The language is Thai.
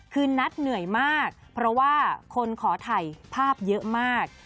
คือนัทเหนื่อยมากเพราะว่าคนขอถ่ายภาพเยอะมาก